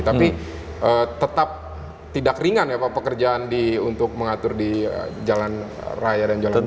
tapi tetap tidak ringan ya pak pekerjaan untuk mengatur di jalan raya dan jalan